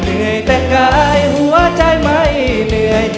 เหนื่อยแต่กายหัวใจไม่เหนื่อย